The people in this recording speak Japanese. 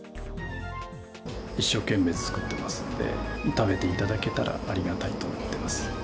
一生懸命作ってますんで、食べていただけたらありがたいと思ってます。